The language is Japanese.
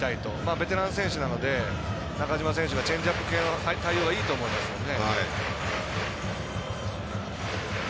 ベテラン選手なので中島選手がチェンジアップ系の対応がいいと思いますね。